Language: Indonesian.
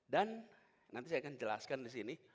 dan nanti saya akan jelaskan disini